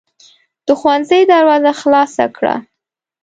د ښوونځي دروازه خلاصه کړه.